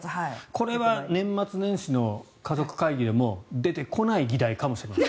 これは年末年始の家族会議でも出てこない議題かもしれません。